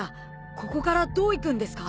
ここからどう行くんですか？